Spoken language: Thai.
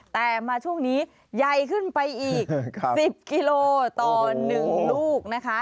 แต่มาช่วงนี้ใหญ่ขึ้นไปอีก๑๐กิโลต่อ๑ลูกนะคะ